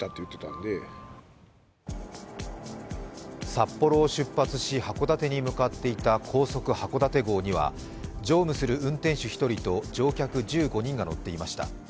札幌を出発し、函館に向かっていた「高速はこだて号」には、乗務する運転手１人と乗客１５人が乗っていました。